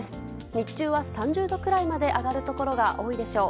日中は３０度くらいまで上がるところが多いでしょう。